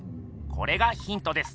これがヒントです。